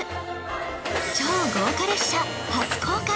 超豪華列車初公開！